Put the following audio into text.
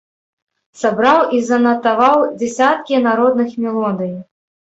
Сабраў і занатаваў дзесяткі народных мелодый.